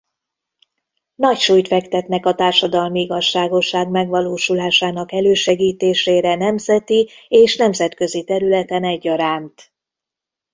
Nagy súlyt fektetnek a társadalmi igazságosság megvalósulásának elősegítésére nemzeti és nemzetközi területen egyaránt.